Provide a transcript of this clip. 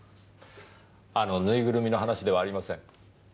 あのぬいぐるみの話ではありません。